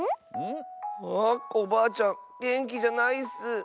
あコバアちゃんげんきじゃないッス。